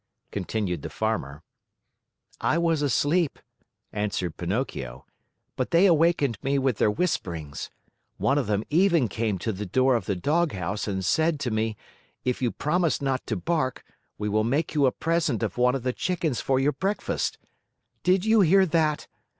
continued the Farmer. "I was asleep," answered Pinocchio, "but they awakened me with their whisperings. One of them even came to the door of the doghouse and said to me, 'If you promise not to bark, we will make you a present of one of the chickens for your breakfast.' Did you hear that?